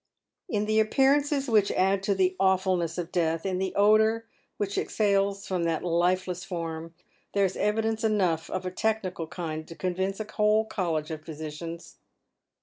In the appearances which add to the awfulness of death, in the odour which exhales from that lifeless form, there is evidence enough of a technical kind to convince a whnle college of physicians.